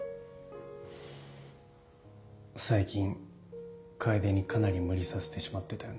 最近楓にかなり無理させてしまってたよね。